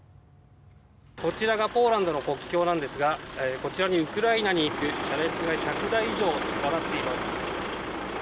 こちらがポーランドの国境なんですがこちらにウクライナに行く車列が１００台以上連なっています。